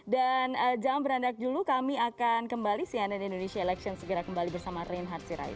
dan jangan beranak dulu kami akan kembali si anand indonesia election segera kembali bersama reynhard sirai